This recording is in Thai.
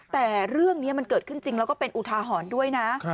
แต่เรื่องนี้มันเกิดขึ้นจริงแล้วก็เป็นอุทาหรณ์ด้วยนะ